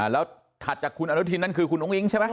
แล้วถัดจากคุณอนุทินนั่นคือคุณอุ้งอิ๊งใช่ไหม